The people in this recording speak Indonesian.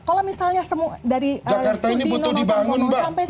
kalau misalnya dari stutino masangpungo sampai sdn kedimintas